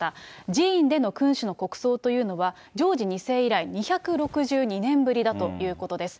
寺院での君主の国葬というのは、ジョージ２世以来、２６２年ぶりだということです。